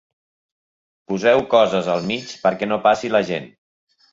Poseu coses al mig perquè no passi la gent.